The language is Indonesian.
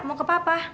mau ke papa